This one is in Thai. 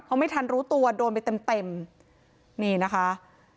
เขาไม่ทันรู้ตัวโดนไปเต็มเต็มนี่นะคะ